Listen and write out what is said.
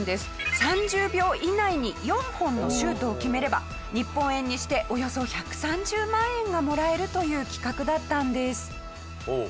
３０秒以内に４本のシュートを決めれば日本円にしておよそ１３０万円がもらえるという企画だったんです。